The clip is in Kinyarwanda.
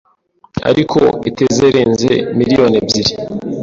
eriko eterenze miliyoni ebyiri.